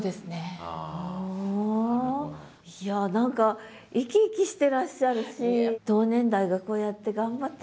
いや何か生き生きしてらっしゃるし同年代がこうやって頑張ってらっしゃる。